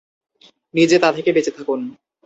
নিজে তা থেকে বেঁচে থাকুন।